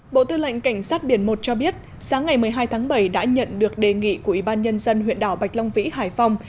bộ tư lệnh cảnh sát biển một cho biết sáng ngày một mươi hai tháng bảy đã nhận được đề nghị của ủy ban nhân dân huyện đảo bạch long vĩ hải phòng